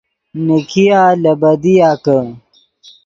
نیکیا لے بدیا کہ